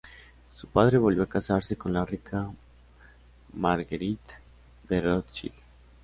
Su padre volvió a casarse con la rica Marguerite de Rothschild.